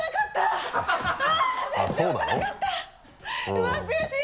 うわっ悔しい！